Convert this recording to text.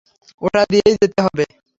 ওটা দিয়েই যেতে হবে!